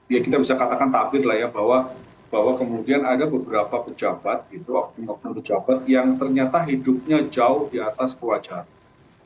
ya kita bisa katakan takbir lah ya bahwa kemudian ada beberapa pejabat gitu oknum oknum pejabat yang ternyata hidupnya jauh di atas kewajaran